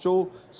sibuk luar biasa